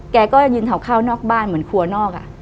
แกก็ยืนเผาข้าวนอกบ้านเหมือนครัวนอก